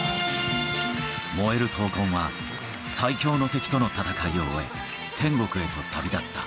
燃える闘魂は、最強の敵との闘いを終え、天国へと旅立った。